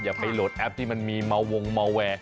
อย่าไปโหลดแอปที่มันมีมาวงเมาแวร์